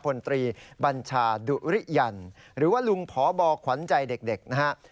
พลตรีบัญชาดุริยันหรือว่าลุงพบขวัญใจเด็กนะฮะ